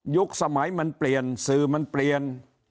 สมัยมันเปลี่ยนสื่อมันเปลี่ยน